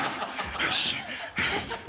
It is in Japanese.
よし。